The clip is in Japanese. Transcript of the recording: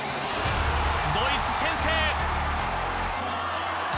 ドイツ先制。